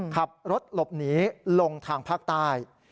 ขับรถหลบหนีลงทางภาคใต้